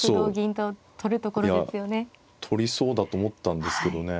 取りそうだと思ったんですけどね。